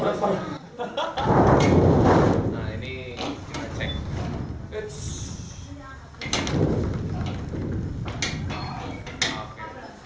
nah ini kita cek